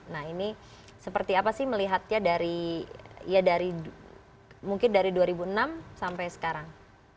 nah ini seperti apa sih melihatnya dari mungkin dari dua ribu enam sampai sekarang